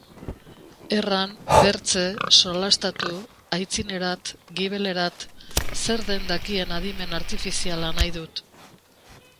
Erran, bertze, solastatu, aitzinerat, gibelerat... zer den dakien adimen artifiziala nahi dut.